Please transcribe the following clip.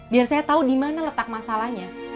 biar saya tahu dimana letak masalahnya